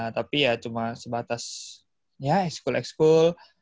tapi ya cuma sebatas ya ex school ex school